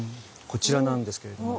こちらなんですけれども。